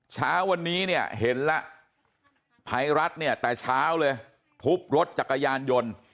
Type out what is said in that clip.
เช้าวันนี้เห็นแล้วภัยรัฐแต่เช้าเลยพุบรถจักรยานยนต์